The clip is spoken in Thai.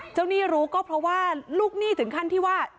หนี้รู้ก็เพราะว่าลูกหนี้ถึงขั้นที่ว่า